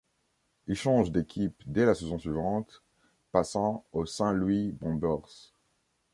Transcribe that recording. Il change d'équipe dès la saison suivante, passant aux Saint Louis Bombers.